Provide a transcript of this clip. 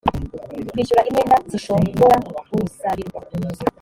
kwishyura imyenda zishobora gusabirwa